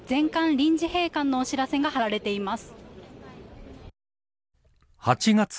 臨時閉館のお知らせが張られています。